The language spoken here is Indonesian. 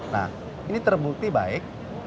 nah ini terbukti baik